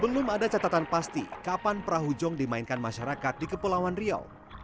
belum ada catatan pasti kapan perahu jong dimainkan masyarakat di kepulauan riau